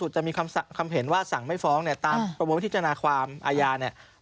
สุดสุดจะมีคำคำเขินว่าสั่งไม่ฟ้องเนี้ยตามประปุ๋นทิศจาภาความอาญาเนี้ย